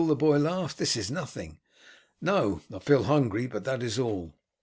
the boy laughed. "This is nothing." "No; I feel hungry, but that is all."